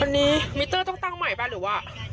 ที่เขาตั้งไว้๒๖๐นี่เหรอ